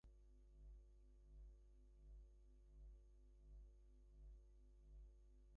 The Kunama people follow Traditional African religions however some are Christian.